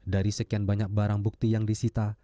dari sekian banyak barang bukti yang disita